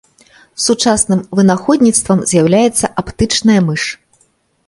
Сучасным вынаходніцтвам з'яўляецца аптычная мыш.